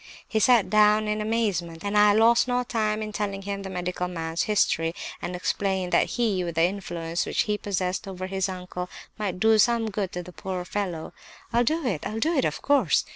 "He sat down in amazement, and I lost no time in telling him the medical man's history; and explained that he, with the influence which he possessed over his uncle, might do some good to the poor fellow. "'I'll do it—I'll do it, of course!